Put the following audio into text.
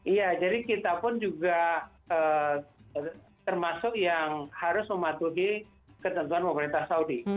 iya jadi kita pun juga termasuk yang harus mematuhi ketentuan mobilitas saudi